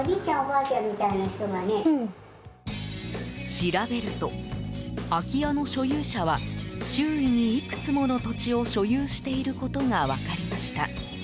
調べると、空き家の所有者は周囲に、いくつもの土地を所有していることが分かりました。